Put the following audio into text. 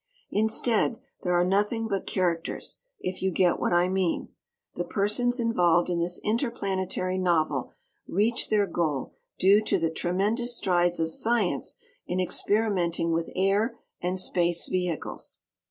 Instead, there are nothing but characters if you get what I mean. The persons involved in this interplanetary novel reach their goal due to the tremendous strides of science in experimenting with air and space vehicles.